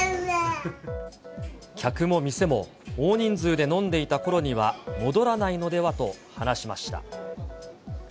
客も店も、大人数で飲んでいたころには戻らないのではと話しました。